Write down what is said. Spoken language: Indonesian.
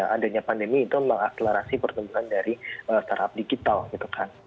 adanya pandemi itu mengakselerasi pertumbuhan dari startup digital gitu kan